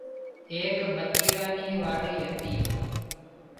ايڪ متيران نِي واڙي هتي